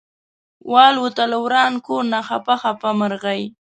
والوته له وران کور نه خپه خپه مرغۍ